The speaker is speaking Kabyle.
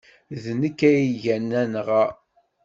D nekk ay igan anɣa.